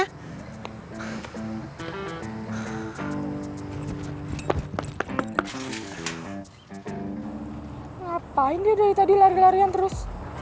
ngapain dia dari tadi lari larian terus